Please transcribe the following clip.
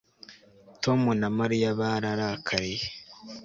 Tom na Mariya bararakariye